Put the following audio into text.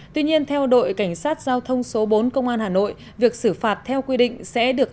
tuy nhiên theo đội cảnh sát giao thông số bốn công an hà nội việc xử phạt theo quy định sẽ được